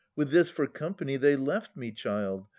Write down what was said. With this for company they left me, child